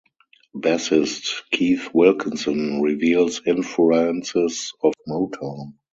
Bassist Keith Wilkinson reveals influences of Motown.